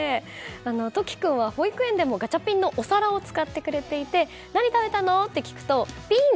飛希君は保育園でもガチャピンのお皿を使ってくれていて何食べたのって聞くとピン！